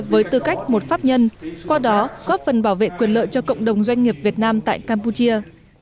với tư cách một pháp nhân qua đó góp phần bảo vệ quyền lợi cho cộng đồng doanh nghiệp việt nam tại campuchia